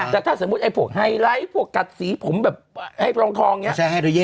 แต่ถ้าสมมุติไอ้พวกไฮไลท์พวกกัดสีผมแบบให้ทองอย่างนี้